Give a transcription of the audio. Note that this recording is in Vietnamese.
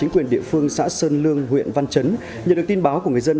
quyền địa phương xã sơn lương huyện văn chấn nhận được tin báo của người dân